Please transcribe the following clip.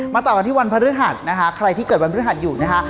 มาต่อกันที่วันพระฤทธิ์หัดนะคะใครที่เกิดวันพระฤทธิ์หัดอยู่นะคะ